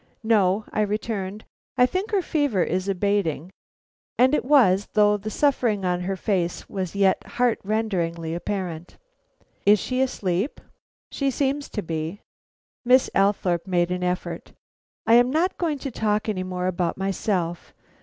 "No," I returned, "I think her fever is abating." And it was, though the suffering on her face was yet heart rendingly apparent. "Is she asleep?" "She seems to be." Miss Althorpe made an effort. "I am not going to talk any more about myself."